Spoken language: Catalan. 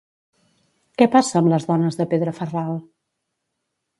Què passa amb les dones de Pedra-Ferral?